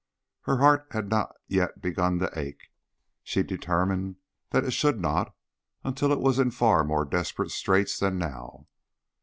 Her heart had not yet begun to ache. She determined that it should not until it was in far more desperate straits than now.